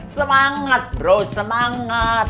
semangat bro semangat